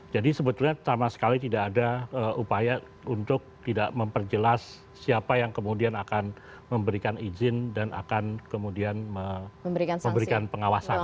jadi sebetulnya sama sekali tidak ada upaya untuk tidak memperjelas siapa yang kemudian akan memberikan izin dan akan kemudian memberikan pengawasan